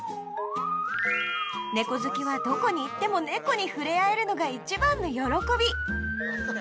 猫好きはどこに行っても猫に触れ合えるのが一番の喜び